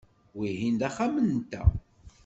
Wihin d axxam-nteɣ.